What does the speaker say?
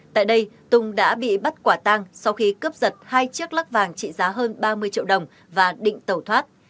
tại đây tùng đã bị bắt quả tang sau khi cướp giật hai chiếc lắc vàng trị giá hơn ba mươi triệu đồng và định tẩu thoát